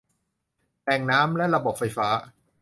แหล่งน้ำ และระบบไฟฟ้า